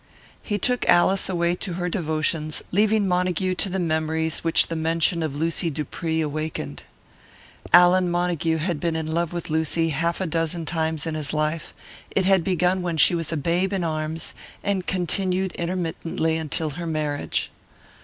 He took Alice away to her devotions, leaving Montague to the memories which the mention of Lucy Dupree awakened. Allan Montague had been in love with Lucy a half a dozen times in his life; it had begun when she was a babe in arms, and continued intermittently until her marriage.